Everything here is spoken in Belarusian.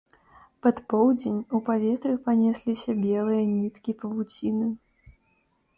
Пад поўдзень у паветры панесліся белыя ніткі павуціны.